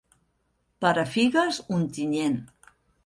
Per a figues, Ontinyent.